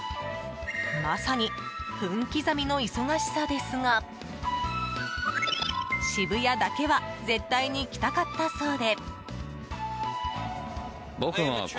まさに分刻みの忙しさですが渋谷だけは絶対に来たかったそうで。